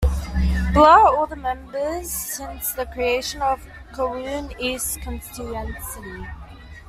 Below are all the members since the creation of the Kowloon East constituency.